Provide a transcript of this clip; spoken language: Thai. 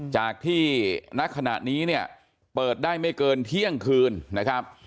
จากที่ณขณะนี้เนี่ยเปิดได้ไม่เกินเที่ยงคืนนะครับ